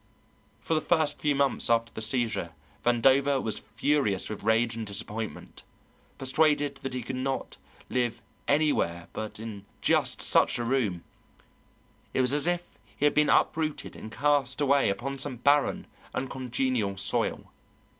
For the first few months after the seizure Vandover was furious with rage and disappointment, persuaded that he could never live anywhere but in just such a room; it was as if he had been uprooted and cast away upon some barren, uncongenial soil.